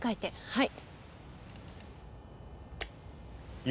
はい。